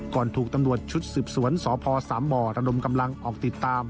ถูกตำรวจชุดสืบสวนสพสามบ่อระดมกำลังออกติดตาม